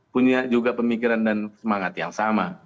punya juga pemikiran dan semangat yang sama